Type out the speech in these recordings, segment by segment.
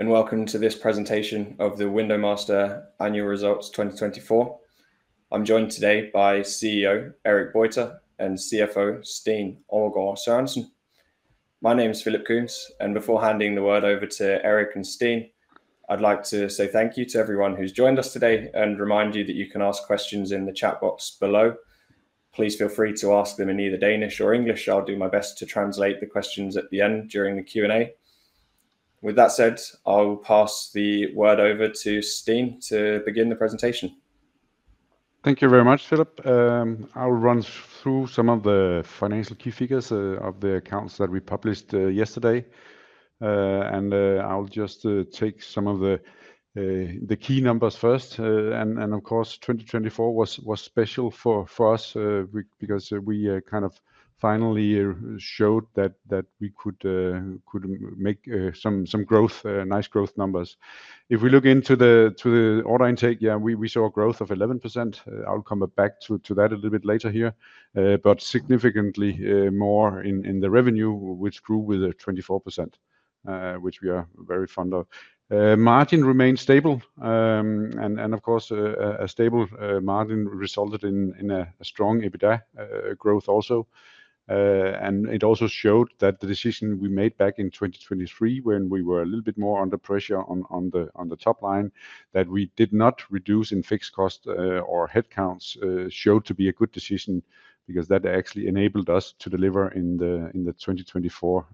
Welcome to this presentation of the WindowMaster Annual Results 2024. I'm joined today by CEO Erik Boyter and CFO Steen Overggard Sørensen. My name is Philip Coombes, and before handing the word over to Erik and Steen, I'd like to say thank you to everyone who's joined us today and remind you that you can ask questions in the chat box below. Please feel free to ask them in either Danish or English. I'll do my best to translate the questions at the end during the Q&A. With that said, I'll pass the word over to Steen to begin the presentation. Thank you very much, Philip. I'll run through some of the financial key figures of the accounts that we published yesterday, and I'll just take some of the key numbers first. Of course, 2024 was special for us because we kind of finally showed that we could make some growth, nice growth numbers. If we look into the order intake, yeah, we saw a growth of 11%. I'll come back to that a little bit later here, but significantly more in the revenue, which grew with 24%, which we are very fond of. Margin remained stable, and of course, a stable margin resulted in a strong EBITDA growth also. It also showed that the decision we made back in 2023, when we were a little bit more under pressure on the top line, that we did not reduce in fixed cost or headcounts, showed to be a good decision because that actually enabled us to deliver in the 2024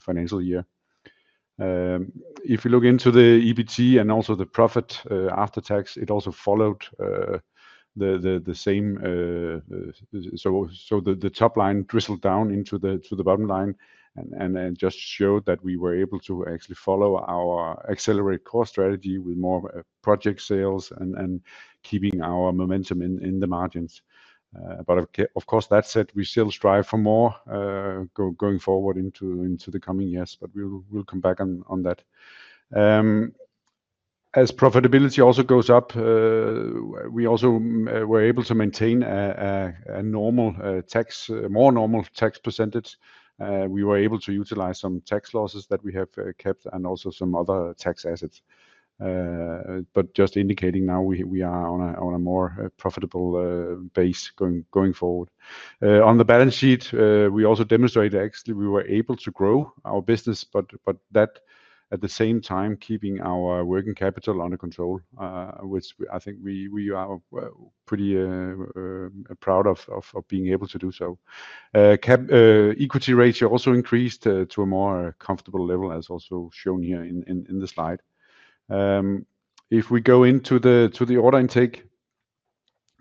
financial year. If you look into the EBT and also the profit after tax, it also followed the same. The top line drizzled down into the bottom line and just showed that we were able to actually follow our Accelerate Core strategy with more project sales and keeping our momentum in the margins. Of course, that said, we still strive for more going forward into the coming years, but we'll come back on that. As profitability also goes up, we also were able to maintain a more normal tax percentage. We were able to utilize some tax losses that we have kept and also some other tax assets. Just indicating now we are on a more profitable base going forward. On the balance sheet, we also demonstrated actually we were able to grow our business, but at the same time keeping our working capital under control, which I think we are pretty proud of being able to do so. Equity ratio also increased to a more comfortable level, as also shown here in the slide. If we go into the order intake,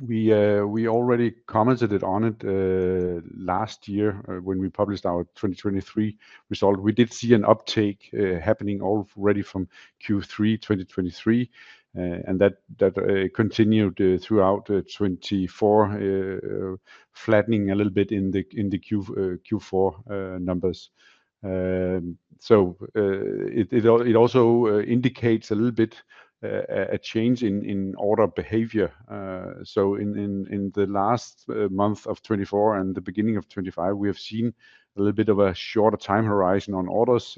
we already commented on it last year when we published our 2023 result. We did see an uptake happening already from Q3 2023, and that continued throughout 2024, flattening a little bit in the Q4 numbers. It also indicates a little bit a change in order behavior. In the last month of 2024 and the beginning of 2025, we have seen a little bit of a shorter time horizon on orders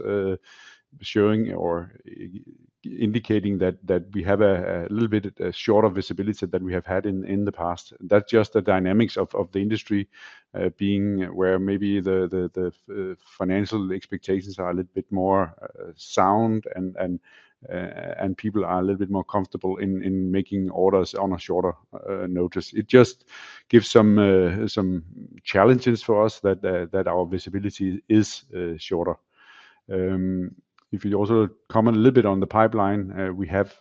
showing or indicating that we have a little bit shorter visibility than we have had in the past. That is just the dynamics of the industry being where maybe the financial expectations are a little bit more sound and people are a little bit more comfortable in making orders on a shorter notice. It just gives some challenges for us that our visibility is shorter. If you also comment a little bit on the pipeline, we have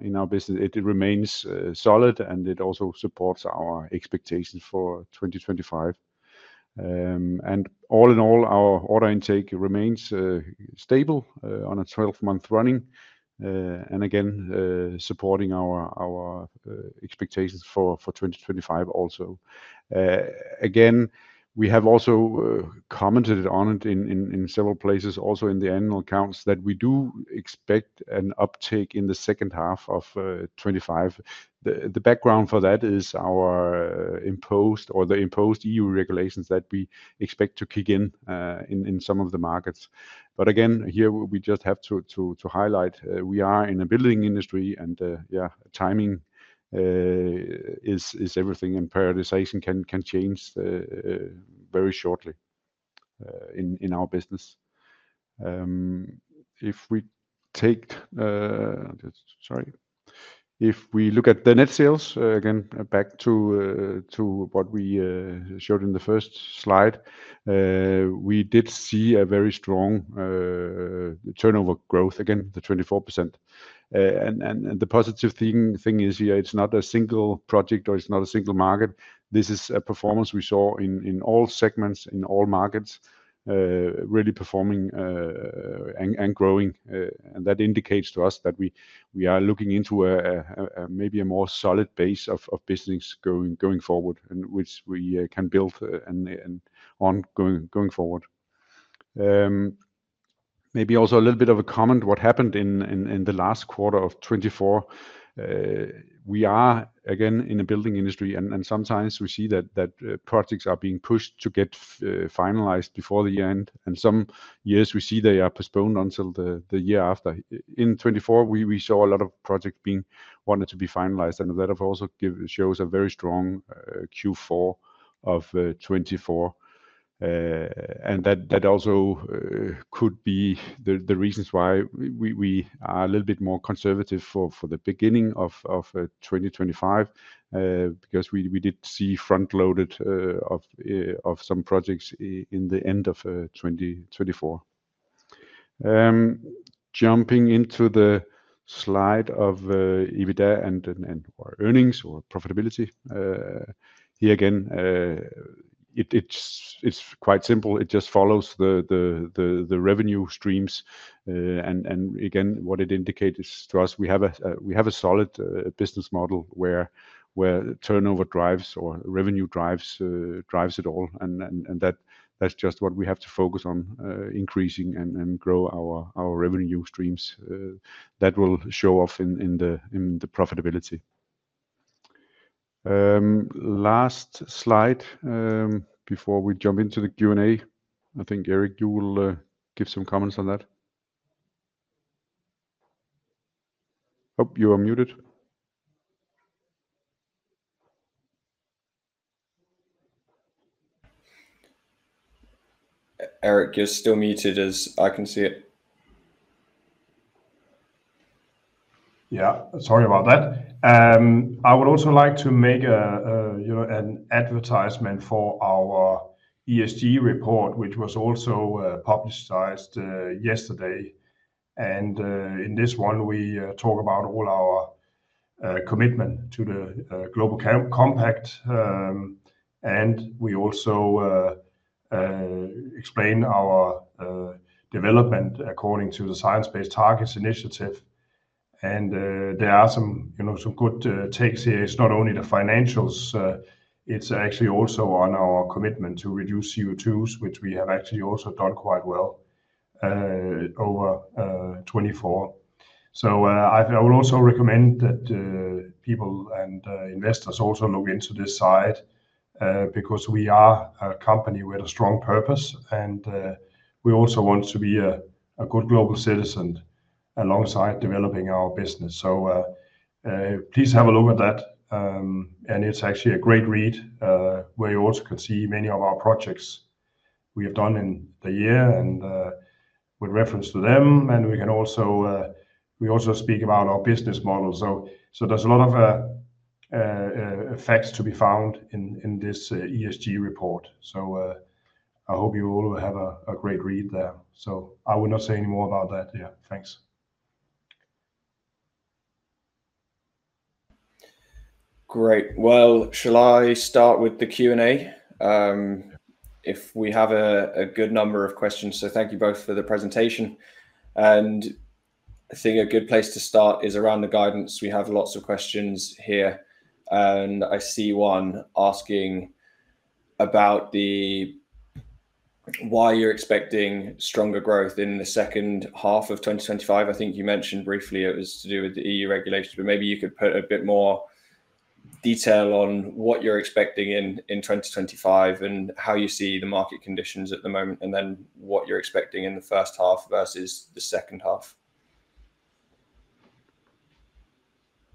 in our business, it remains solid and it also supports our expectations for 2025. All in all, our order intake remains stable on a 12-month running and again supporting our expectations for 2025 also. Again, we have also commented on it in several places, also in the annual accounts that we do expect an uptake in the second half of 2025. The background for that is our imposed or the imposed EU regulations that we expect to kick in in some of the markets. Again, here we just have to highlight we are in a building industry and yeah, timing is everything and prioritization can change very shortly in our business. If we look at the net sales again, back to what we showed in the first slide, we did see a very strong turnover growth again, the 24%. The positive thing is here, it's not a single project or it's not a single market. This is a performance we saw in all segments, in all markets, really performing and growing. That indicates to us that we are looking into maybe a more solid base of business going forward, which we can build on going forward. Maybe also a little bit of a comment, what happened in the last quarter of 2024. We are again in a building industry and sometimes we see that projects are being pushed to get finalized before the end. Some years we see they are postponed until the year after. In 2024, we saw a lot of projects being wanted to be finalized. That also shows a very strong Q4 of 2024. That also could be the reasons why we are a little bit more conservative for the beginning of 2025 because we did see front-loaded of some projects in the end of 2024. Jumping into the slide of EBITDA and our earnings or profitability. Here again, it's quite simple. It just follows the revenue streams. Again, what it indicates to us, we have a solid business model where turnover drives or revenue drives it all. That is just what we have to focus on, increasing and grow our revenue streams that will show off in the profitability. Last slide before we jump into the Q&A. I think Erik, you will give some comments on that. Hope you are muted. Erik, you're still muted as I can see it. Yeah, sorry about that. I would also like to make an advertisement for our ESG report, which was also publicized yesterday. In this one, we talk about all our commitment to the Global Compact. We also explain our development according to the Science Based Targets initiative. There are some good takes here. It's not only the financials. It's actually also on our commitment to reduce CO2, which we have actually also done quite well over 2024. I would also recommend that people and investors look into this side because we are a company with a strong purpose. We also want to be a good global citizen alongside developing our business. Please have a look at that. It's actually a great read where you also could see many of our projects we have done in the year and with reference to them. We also speak about our business model. There are a lot of facts to be found in this ESG report. I hope you all will have a great read there. I will not say any more about that. Yeah, thanks. Great. Shall I start with the Q&A? We have a good number of questions, so thank you both for the presentation. I think a good place to start is around the guidance. We have lots of questions here. I see one asking about why you're expecting stronger growth in the second half of 2025. I think you mentioned briefly it was to do with the EU regulation, but maybe you could put a bit more detail on what you're expecting in 2025 and how you see the market conditions at the moment and then what you're expecting in the first half versus the second half.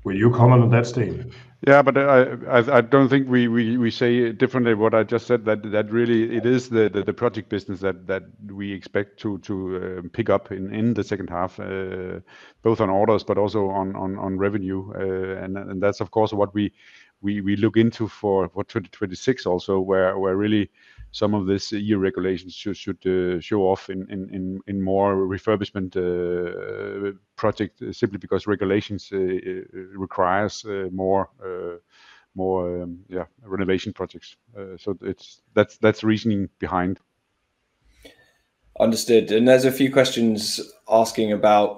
Will you comment on that, Steen? Yeah, but I don't think we say differently what I just said, that really it is the project business that we expect to pick up in the second half, both on orders, but also on revenue. That is, of course, what we look into for 2026 also, where really some of this EU regulation should show off in more refurbishment projects simply because regulations require more renovation projects. That is the reasoning behind. Understood. There are a few questions asking about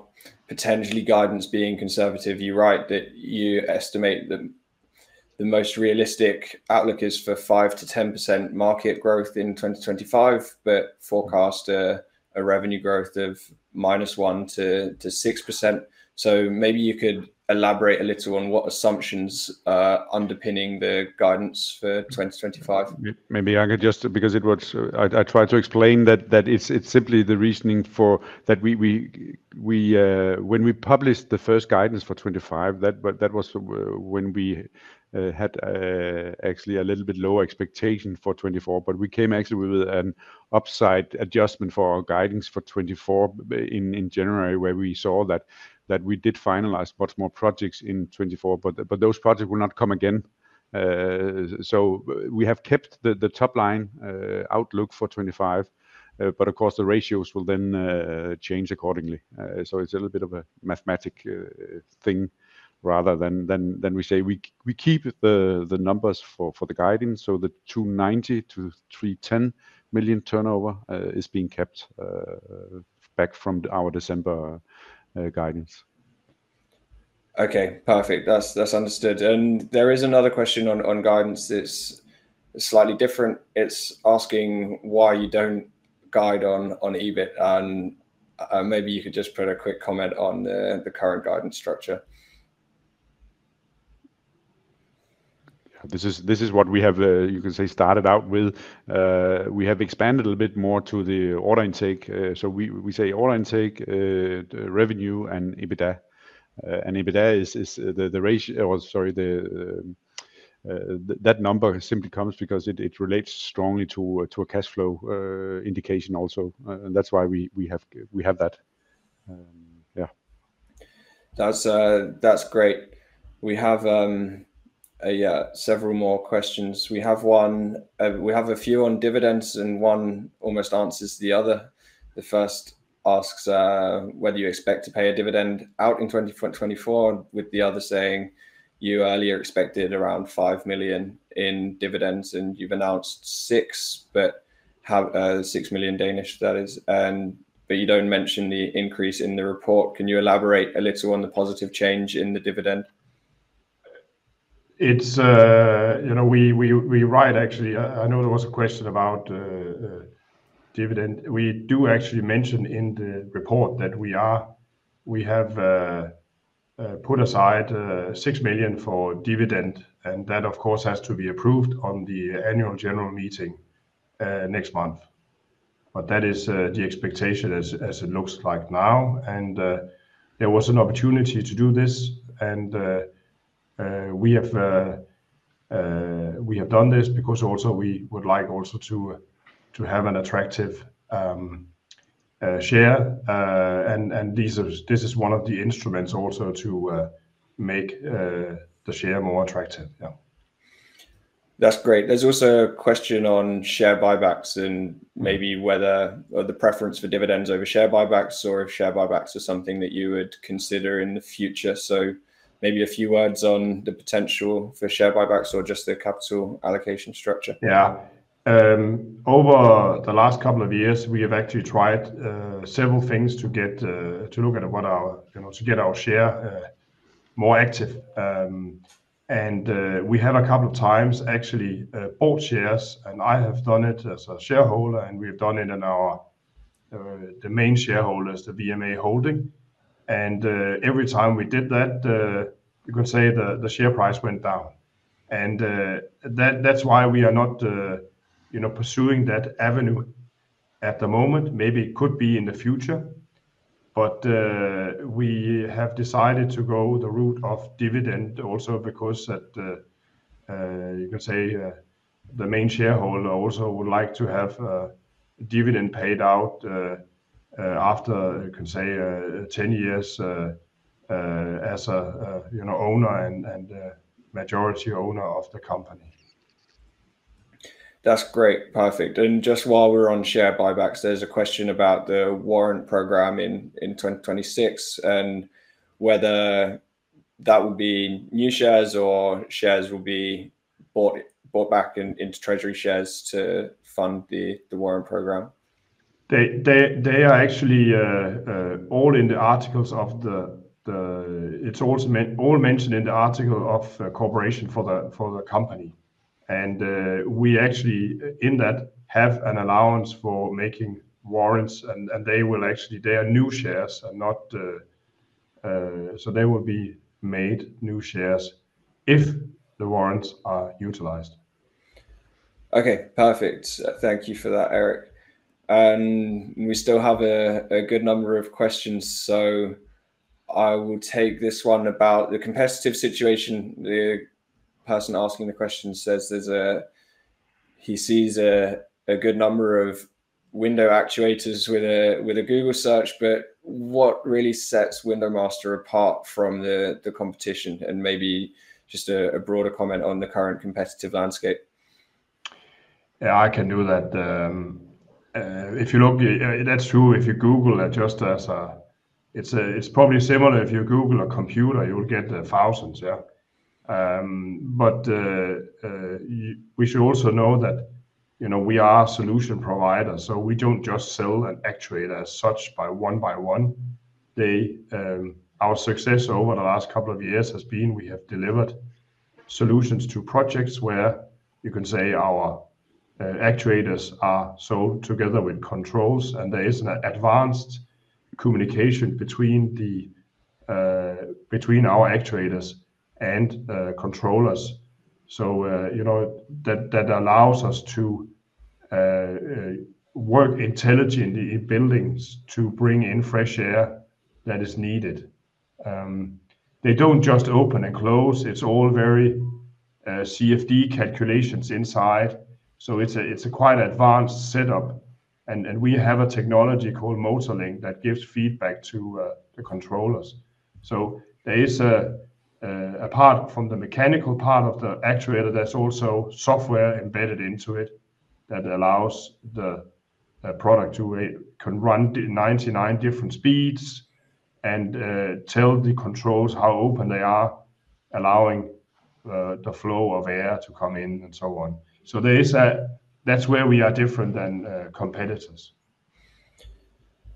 potentially guidance being conservative. You write that you estimate that the most realistic outlook is for 5-10% market growth in 2025, but forecast a revenue growth of minus 1% to 6%. Maybe you could elaborate a little on what assumptions underpin the guidance for 2025. Maybe I could just, because I tried to explain that it's simply the reasoning for that when we published the first guidance for 2025, that was when we had actually a little bit lower expectation for 2024, but we came actually with an upside adjustment for our guidance for 2024 in January where we saw that we did finalize much more projects in 2024, but those projects will not come again. We have kept the top line outlook for 2025, but of course, the ratios will then change accordingly. It is a little bit of a mathematic thing rather than we say we keep the numbers for the guidance. The 290 million-310 million turnover is being kept back from our December guidance. Okay, perfect. That's understood. There is another question on guidance that's slightly different. It's asking why you don't guide on EBIT, and maybe you could just put a quick comment on the current guidance structure. This is what we have, you could say, started out with. We have expanded a little bit more to the order intake. We say order intake, revenue, and EBITDA. EBITDA is the ratio, or sorry, that number simply comes because it relates strongly to a cash flow indication also. That is why we have that. Yeah. That's great. We have several more questions. We have a few on dividends and one almost answers the other. The first asks whether you expect to pay a dividend out in 2024, with the other saying you earlier expected around 5 million in dividends and you've announced 6 million, that is. You don't mention the increase in the report. Can you elaborate a little on the positive change in the dividend? We write actually, I know there was a question about dividend. We do actually mention in the report that we have put aside 6 million for dividend, and that, of course, has to be approved on the annual general meeting next month. That is the expectation as it looks like now. There was an opportunity to do this, and we have done this because also we would like also to have an attractive share. This is one of the instruments also to make the share more attractive. Yeah. That's great. There's also a question on share buybacks and maybe whether the preference for dividends over share buybacks or if share buybacks are something that you would consider in the future. Maybe a few words on the potential for share buybacks or just the capital allocation structure. Yeah. Over the last couple of years, we have actually tried several things to look at what our to get our share more active. We have a couple of times actually bought shares, and I have done it as a shareholder, and we have done it in our the main shareholders, the VMA Holding. Every time we did that, you could say the share price went down. That is why we are not pursuing that avenue at the moment. Maybe it could be in the future, but we have decided to go the route of dividend also because you can say the main shareholder also would like to have dividend paid out after, you can say, 10 years as an owner and majority owner of the company. That's great. Perfect. Just while we're on share buybacks, there's a question about the warrant program in 2026 and whether that will be new shares or shares will be bought back into treasury shares to fund the warrant program. They are actually all in the articles of the, it's all mentioned in the articles of corporation for the company. We actually in that have an allowance for making warrants, and they will actually, they are new shares and not, so they will be made new shares if the warrants are utilized. Okay, perfect. Thank you for that, Erik. We still have a good number of questions. I will take this one about the competitive situation. The person asking the question says he sees a good number of window actuators with a Google search, but what really sets WindowMaster apart from the competition? Maybe just a broader comment on the current competitive landscape. Yeah, I can do that. If you look, that's true. If you Google that, just as it's probably similar if you Google a computer, you will get the thousands, yeah. We should also know that we are a solution provider, so we don't just sell an actuator as such by one by one. Our success over the last couple of years has been we have delivered solutions to projects where you can say our actuators are sold together with controls, and there is an advanced communication between our actuators and controllers. That allows us to work intelligently in buildings to bring in fresh air that is needed. They don't just open and close. It's all very CFD calculations inside. It is a quite advanced setup. We have a technology called MotorLink that gives feedback to the controllers. There is a part from the mechanical part of the actuator. There is also software embedded into it that allows the product to run 99 different speeds and tell the controls how open they are, allowing the flow of air to come in and so on. That is where we are different than competitors.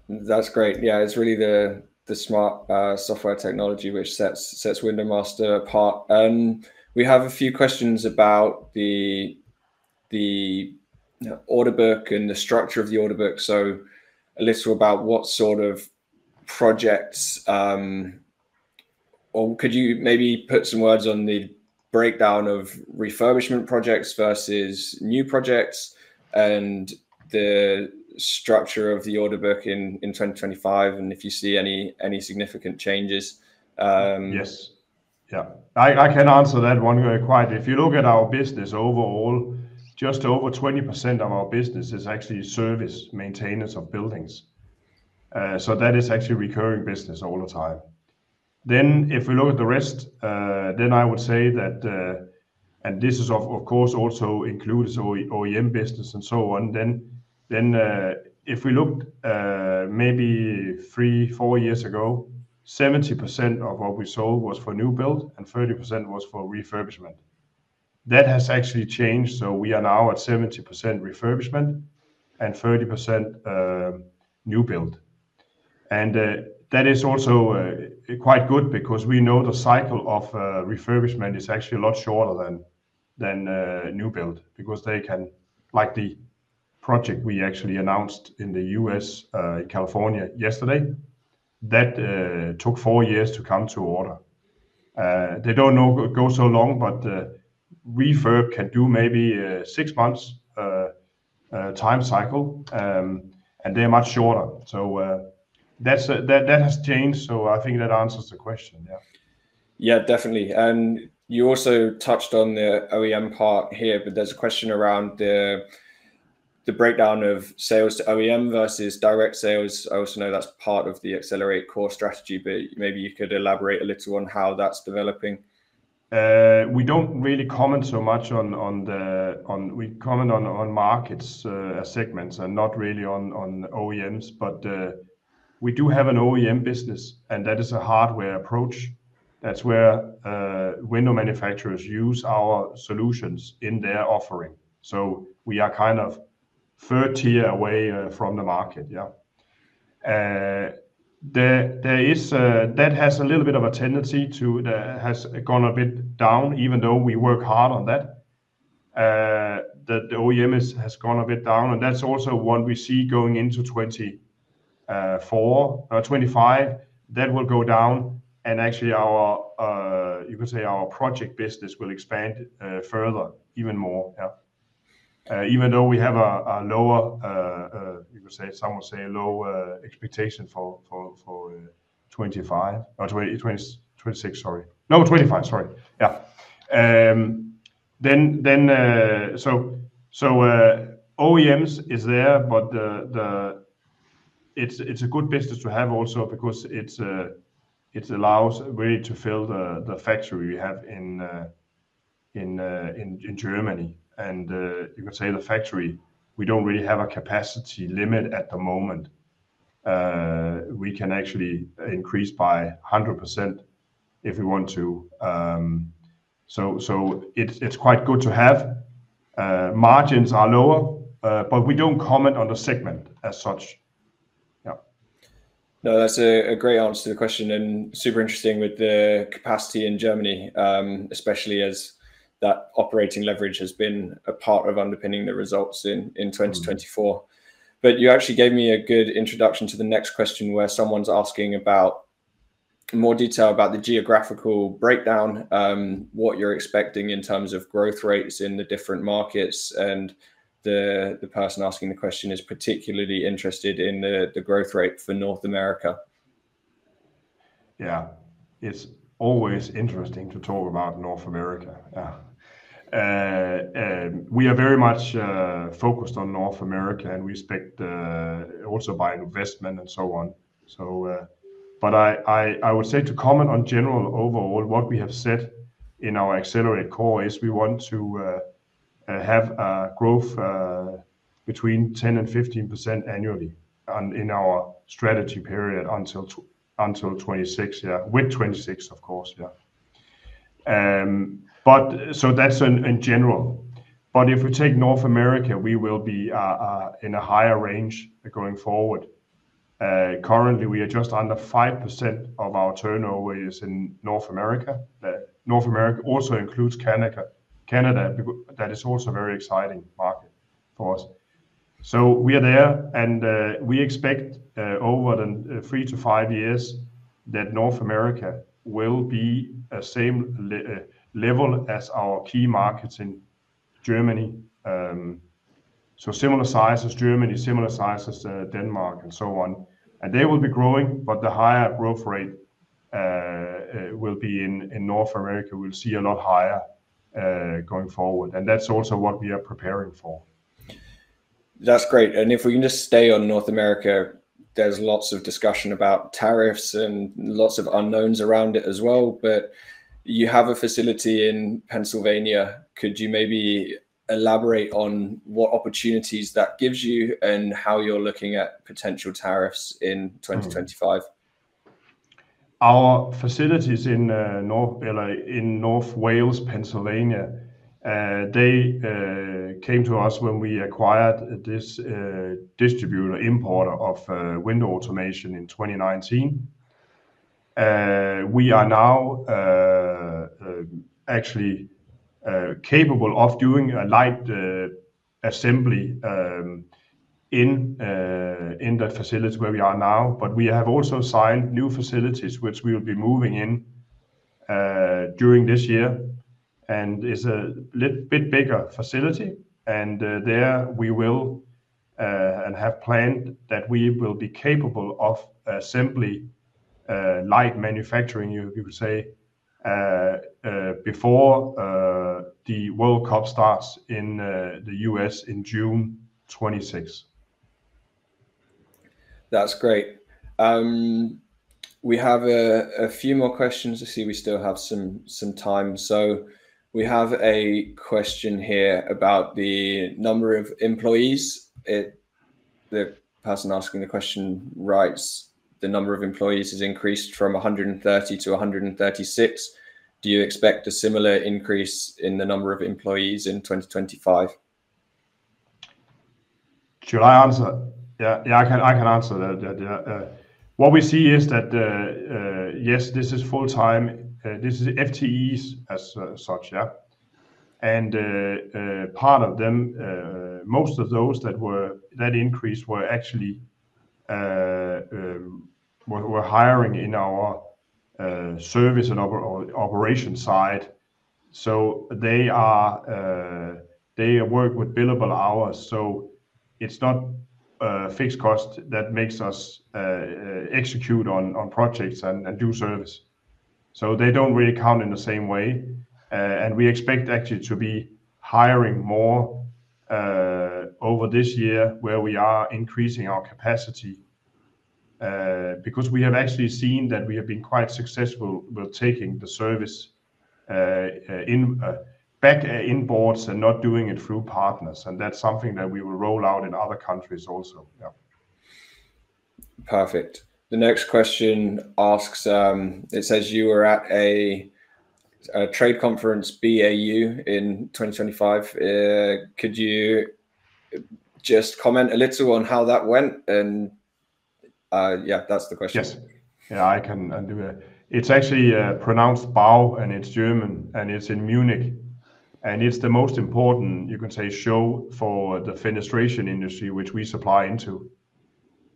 That's great. Yeah, it's really the smart software technology which sets WindowMaster apart. We have a few questions about the order book and the structure of the order book. A little about what sort of projects or could you maybe put some words on the breakdown of refurbishment projects versus new projects and the structure of the order book in 2025 and if you see any significant changes? Yes. Yeah, I can answer that one very quietly. If you look at our business overall, just over 20% of our business is actually service maintenance of buildings. That is actually recurring business all the time. If we look at the rest, I would say that, and this of course also includes OEM business and so on, if we look maybe three, four years ago, 70% of what we sold was for new build and 30% was for refurbishment. That has actually changed. We are now at 70% refurbishment and 30% new build. That is also quite good because we know the cycle of refurbishment is actually a lot shorter than new build because they can, like the project we actually announced in the US, California, yesterday, that took four years to come to order. They don't know go so long, but refurb can do maybe six months time cycle, and they're much shorter. That has changed. I think that answers the question, yeah. Yeah, definitely. You also touched on the OEM part here, but there's a question around the breakdown of sales to OEM versus direct sales. I also know that's part of the Accelerate Core strategy, but maybe you could elaborate a little on how that's developing. We do not really comment so much on the, we comment on market segments and not really on OEMs, but we do have an OEM business, and that is a hardware approach. That is where window manufacturers use our solutions in their offering. We are kind of third tier away from the market, yeah. That has a little bit of a tendency to, that has gone a bit down, even though we work hard on that. The OEM has gone a bit down, and that is also what we see going into 2025. That will go down, and actually you could say our project business will expand further, even more, yeah. Even though we have a lower, you could say some would say low expectation for 2025 or 2026, sorry. No, 2025, sorry. Yeah. OEMs is there, but it's a good business to have also because it allows really to fill the factory we have in Germany. You can say the factory, we don't really have a capacity limit at the moment. We can actually increase by 100% if we want to. It's quite good to have. Margins are lower, but we don't comment on the segment as such. Yeah. No, that's a great answer to the question and super interesting with the capacity in Germany, especially as that operating leverage has been a part of underpinning the results in 2024. You actually gave me a good introduction to the next question where someone's asking about more detail about the geographical breakdown, what you're expecting in terms of growth rates in the different markets. The person asking the question is particularly interested in the growth rate for North America. Yeah, it's always interesting to talk about North America. We are very much focused on North America and we expect also by investment and so on. I would say to comment on general overall, what we have said in our Accelerate Core is we want to have a growth between 10% and 15% annually in our strategy period until 2026, yeah, with 2026, of course, yeah. That's in general. If we take North America, we will be in a higher range going forward. Currently, we are just under 5% of our turnover is in North America. North America also includes Canada. Canada, that is also a very exciting market for us. We are there and we expect over the three to five years that North America will be a same level as our key markets in Germany. Similar size as Germany, similar size as Denmark and so on. They will be growing, but the higher growth rate will be in North America. We'll see a lot higher going forward. That's also what we are preparing for. That's great. If we can just stay on North America, there's lots of discussion about tariffs and lots of unknowns around it as well. You have a facility in Pennsylvania. Could you maybe elaborate on what opportunities that gives you and how you're looking at potential tariffs in 2025? Our facilities in North Wales, Pennsylvania, they came to us when we acquired this distributor importer of window automation in 2019. We are now actually capable of doing a light assembly in the facility where we are now, but we have also signed new facilities, which we will be moving in during this year. It is a bit bigger facility. There we will and have planned that we will be capable of assembly light manufacturing, you could say, before the World Cup starts in the US in June 2026. That's great. We have a few more questions. I see we still have some time. We have a question here about the number of employees. The person asking the question writes, the number of employees has increased from 130 to 136. Do you expect a similar increase in the number of employees in 2025? Should I answer? Yeah, I can answer that. What we see is that, yes, this is full-time. This is FTEs as such, yeah. And part of them, most of those that were that increase were actually were hiring in our service and operation side. They work with billable hours. It is not a fixed cost that makes us execute on projects and do service. They do not really count in the same way. We expect actually to be hiring more over this year where we are increasing our capacity because we have actually seen that we have been quite successful with taking the service back in boards and not doing it through partners. That is something that we will roll out in other countries also, yeah. Perfect. The next question asks, it says you were at a trade conference BAU in 2025. Could you just comment a little on how that went? Yeah, that's the question. Yes. Yeah, I can do it. It's actually pronounced BAU and it's German, and it's in Munich. It's the most important, you can say, show for the fenestration industry, which we supply into.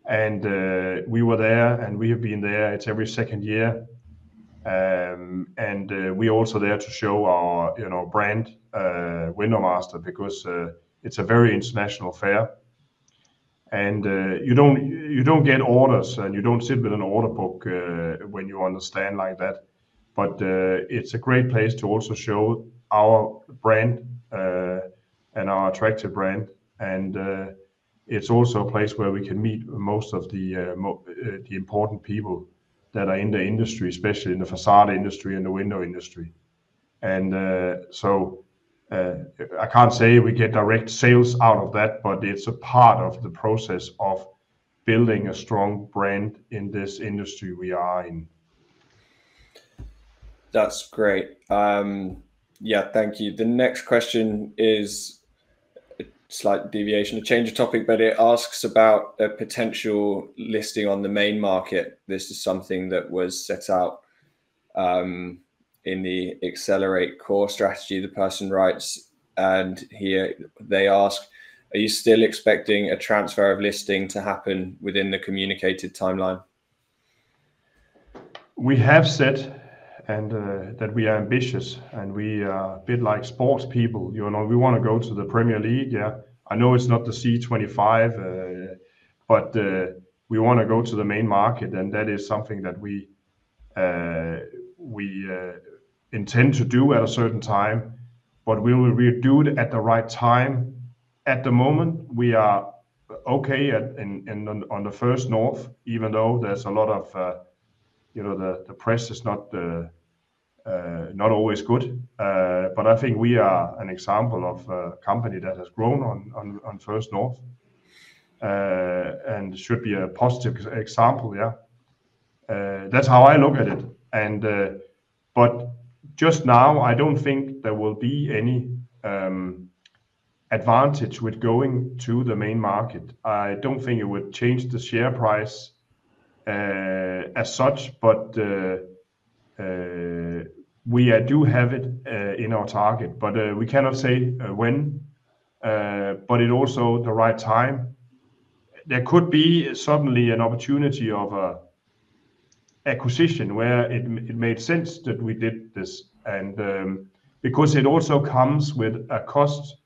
We were there and we have been there. It's every second year. We are also there to show our brand, WindowMaster, because it's a very international fair. You don't get orders and you don't sit with an order book when you understand like that. It's a great place to also show our brand and our attractive brand. It's also a place where we can meet most of the important people that are in the industry, especially in the facade industry and the window industry. I can't say we get direct sales out of that, but it's a part of the process of building a strong brand in this industry we are in. That's great. Yeah, thank you. The next question is a slight deviation, a change of topic, but it asks about a potential listing on the main market. This is something that was set out in the Accelerate Core strategy, the person writes. Here they ask, are you still expecting a transfer of listing to happen within the communicated timeline? We have said that we are ambitious and we are a bit like sports people. We want to go to the Premier League, yeah. I know it's not the C25, but we want to go to the main market. That is something that we intend to do at a certain time, but we will do it at the right time. At the moment, we are okay on the First North, even though a lot of the press is not always good. I think we are an example of a company that has grown on First North and should be a positive example, yeah. That's how I look at it. Just now, I don't think there will be any advantage with going to the main market. I don't think it would change the share price as such, but we do have it in our target. We cannot say when, but it is also the right time. There could be suddenly an opportunity of acquisition where it made sense that we did this. It also comes with a cost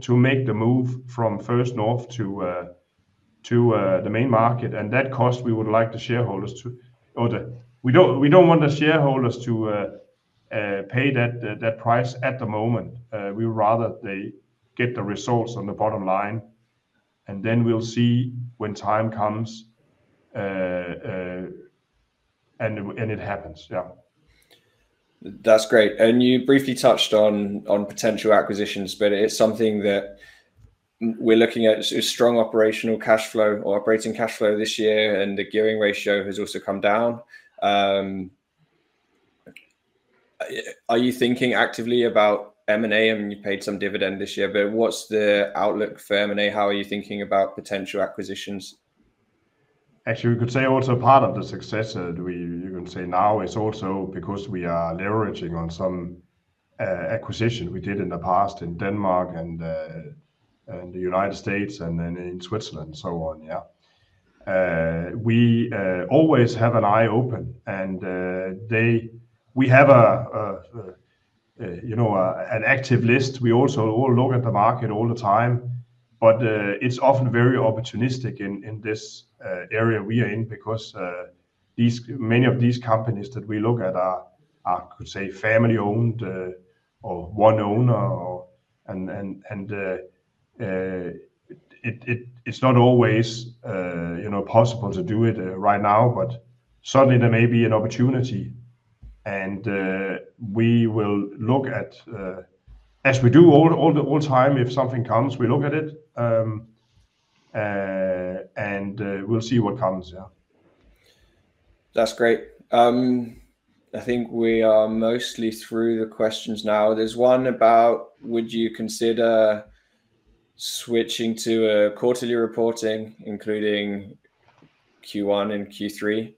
to make the move from First North to the main market. That cost, we would like the shareholders to—we do not want the shareholders to pay that price at the moment. We would rather they get the results on the bottom line. We will see when time comes and it happens, yeah. That's great. You briefly touched on potential acquisitions, but it's something that we're looking at is strong operational cash flow or operating cash flow this year, and the gearing ratio has also come down. Are you thinking actively about M&A? I mean, you paid some dividend this year, but what's the outlook for M&A? How are you thinking about potential acquisitions? Actually, we could say also part of the success, you can say now is also because we are leveraging on some acquisition we did in the past in Denmark and the United States and in Switzerland and so on, yeah. We always have an eye open. We have an active list. We also look at the market all the time, but it's often very opportunistic in this area we are in because many of these companies that we look at are, I could say, family-owned or one owner. It's not always possible to do it right now, but suddenly there may be an opportunity. We will look at, as we do all the time, if something comes, we look at it and we'll see what comes, yeah. That's great. I think we are mostly through the questions now. There's one about, would you consider switching to a quarterly reporting, including Q1 and Q3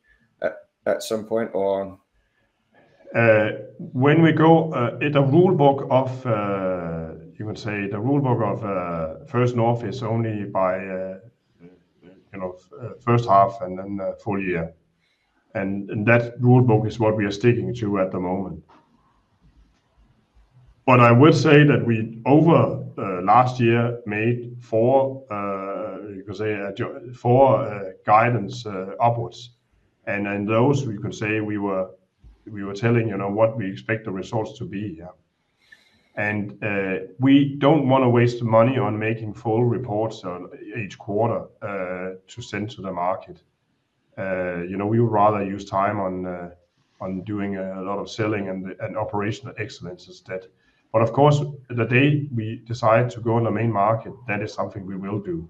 at some point, or? When we go in the rulebook of, you could say, the rulebook of First North is only by first half and then full year. That rulebook is what we are sticking to at the moment. I would say that we over last year made four, you could say, four guidance upwards. In those, we could say we were telling what we expect the results to be, yeah. We do not want to waste money on making full reports each quarter to send to the market. We would rather use time on doing a lot of selling and operational excellence instead. Of course, the day we decide to go on the main market, that is something we will do.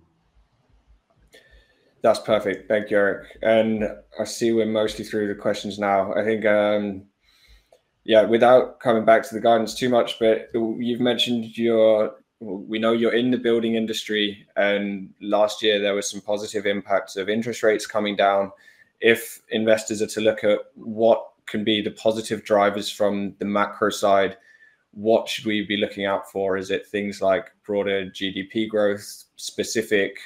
That's perfect. Thank you, Erik. I see we're mostly through the questions now. I think, yeah, without coming back to the guidance too much, but you've mentioned your we know you're in the building industry. Last year, there were some positive impacts of interest rates coming down. If investors are to look at what can be the positive drivers from the macro side, what should we be looking out for? Is it things like broader GDP growth, specific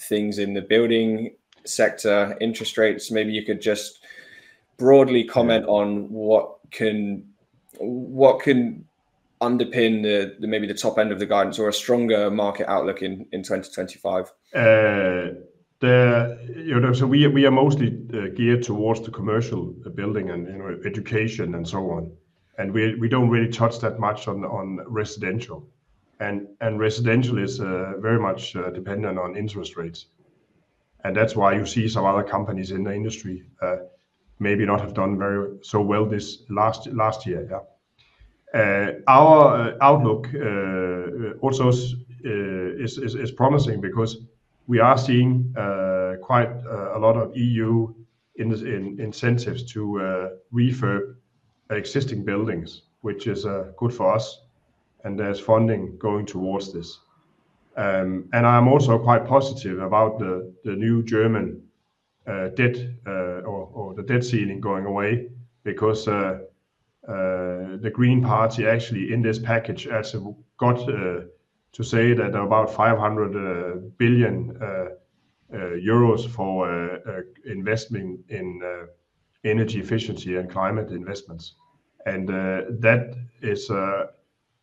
things in the building sector, interest rates? Maybe you could just broadly comment on what can underpin maybe the top end of the guidance or a stronger market outlook in 2025? We are mostly geared towards the commercial building and education and so on. We do not really touch that much on residential. Residential is very much dependent on interest rates. That is why you see some other companies in the industry maybe not have done so well this last year, yeah. Our outlook also is promising because we are seeing quite a lot of EU incentives to refurb existing buildings, which is good for us. There is funding going towards this. I am also quite positive about the new German debt or the debt ceiling going away because the Green Party actually in this package has got to say that about 500 billion euros for investment in energy efficiency and climate investments. That is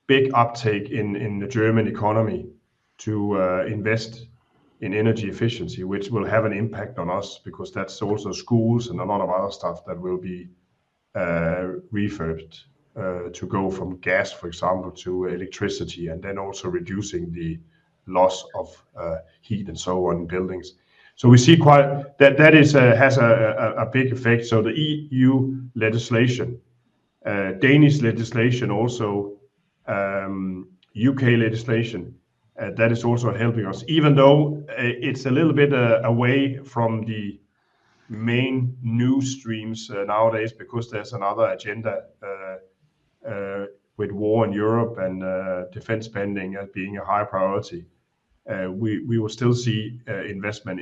a big uptake in the German economy to invest in energy efficiency, which will have an impact on us because that's also schools and a lot of other stuff that will be refurbed to go from gas, for example, to electricity and then also reducing the loss of heat and so on in buildings. We see quite that has a big effect. The EU legislation, Danish legislation, also U.K. legislation, that is also helping us, even though it's a little bit away from the main news streams nowadays because there's another agenda with war in Europe and defense spending as being a high priority. We will still see investment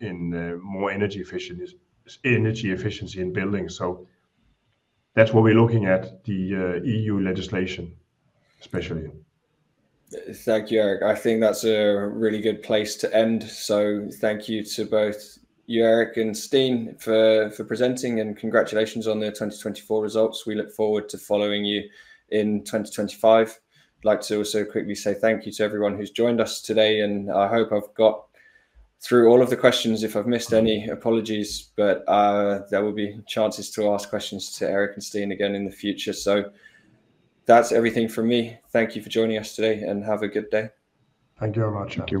in more energy efficiency in buildings. That's what we're looking at, the EU legislation, especially. Thank you, Erik. I think that's a really good place to end. Thank you to both Erik and Steen for presenting and congratulations on the 2024 results. We look forward to following you in 2025. I would like to also quickly say thank you to everyone who's joined us today. I hope I've got through all of the questions. If I've missed any, apologies, but there will be chances to ask questions to Erik and Steen again in the future. That's everything from me. Thank you for joining us today and have a good day. Thank you very much.